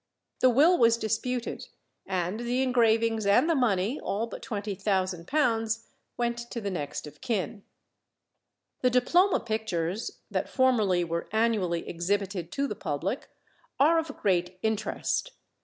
The will was disputed, and the engravings and the money, all but £20,000, went to the next of kin. The diploma pictures (that formerly were annually exhibited to the public) are of great interest.